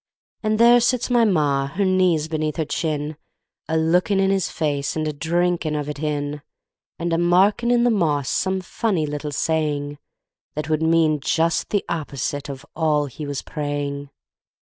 And there sit my Ma, her knees beneath her chin, A looking in his face and a drinking of it in, And a marking in the moss some funny little saying That would mean just the opposite of all he was praying!